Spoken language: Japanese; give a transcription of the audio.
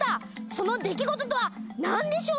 その出来事とは何でしょう？